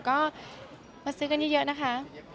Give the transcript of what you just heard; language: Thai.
ก็มาซื้อกันเยอะนะคะ